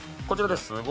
こちらです。